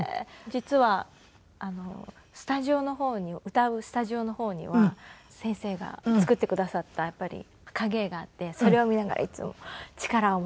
実はスタジオの方に歌うスタジオの方には先生が作ってくださった影絵があってそれを見ながらいつも力をもらって。